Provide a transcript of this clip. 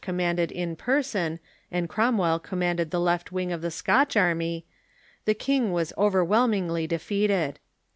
commanded in person, and Cromwell commanded the left wing of the Scotch army, the king was overwhelmingly defeated.